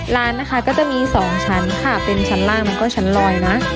ร้านนะคะก็จะมี๒ชั้นค่ะเป็นชั้นล่างมันก็ชั้นลอยนะ